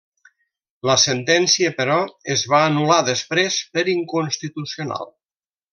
La sentència, però, es va anul·lar després per inconstitucional.